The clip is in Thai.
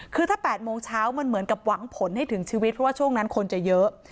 คือถ้า๘โมงเช้ามันเหมือนกับหวังผลให้ถึงชีวิตเพราะว่าช่วงนั้นคนจะเยอะ